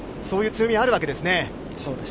そういう強みがあるわけですね。